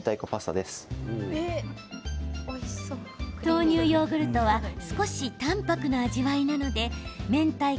豆乳ヨーグルトは少し淡泊な味わいなのでめんたい